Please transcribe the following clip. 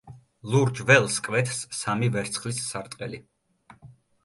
ლურჯ ველს კვეთს სამი ვერცხლის სარტყელი.